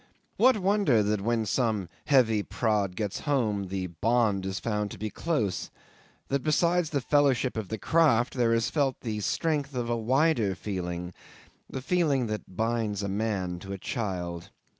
What wonder that when some heavy prod gets home the bond is found to be close; that besides the fellowship of the craft there is felt the strength of a wider feeling the feeling that binds a man to a child.